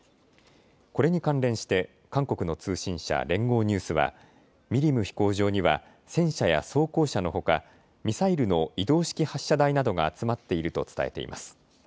これに関連して韓国の通信社、連合ニュースはミリム飛行場には戦車や装甲車のほかミサイルの移動式発射台などが集まっていると伝えています。